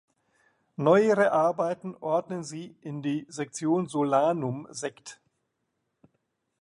Neuere Arbeiten ordnen sie in die Sektion "Solanum" sect.